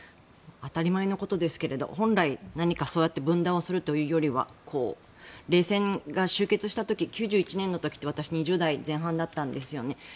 当たり前のことですけれど本来、そうやって分断をするというよりは冷戦が終結した時、９１年って私２０代前半だったんですよね。